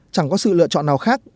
chẳng có sự lựa chọn nào khác